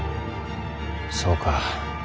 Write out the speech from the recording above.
そうか。